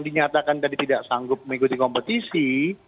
dinyatakan tadi tidak sanggup mengikuti kompetisi